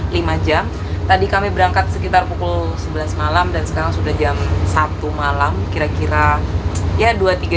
lima jam tadi kami berangkat sekitar pukul sebelas malam dan sekarang sudah jam satu malam kira kira ya dua tiga puluh